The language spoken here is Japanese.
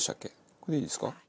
これでいいですか？